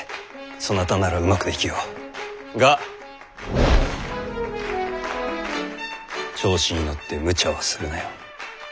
そなたならうまくできよう。が調子に乗ってムチャはするなよ。